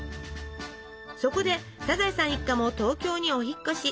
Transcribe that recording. そこでサザエさん一家も東京にお引っ越し。